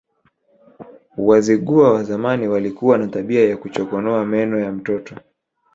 Wazigua wa zamani walikuwa na tabia ya kuchokonoa meno ya mtoto